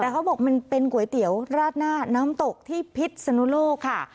แต่เขาบอกมันเป็นก๋วยเตี๋ยวราดหน้าน้ำตกที่พิษสนุโลกค่ะ